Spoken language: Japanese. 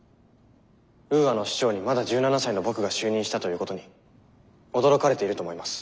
ウーアの首長にまだ１７才の僕が就任したということに驚かれていると思います。